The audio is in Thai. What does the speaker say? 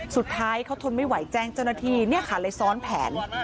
สุดท้ายเขาทนไม่ไหวแจ้งเจ้าหน้าที่เนี่ยค่ะเลยซ้อนแผน